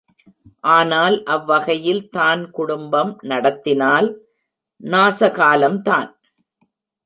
ஆனால் அவ்வகையில் தான் குடும்பம் நடத்தினால் நாசகாலம் தான்.